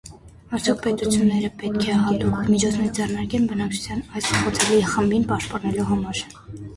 Արդյոք պետությունները պե՞տք է հատուկ միջոցներ ձեռնարկեն բնակչության այս խոցելի խմբին պաշտպանելու համար։